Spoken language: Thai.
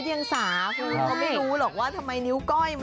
เรียกอย่างไรดีคะ